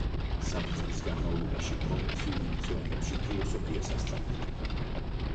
სამი წლის განმავლობაში პროვინციულ ლიცეუმებში ფილოსოფიას ასწავლიდა.